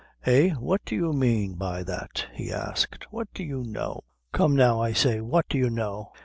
"Eh what do you mane by that?" he asked "what do you know? come now; I say, what do you know?"